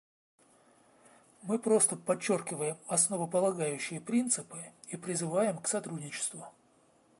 Мы просто подчеркиваем основополагающие принципы и призываем к сотрудничеству.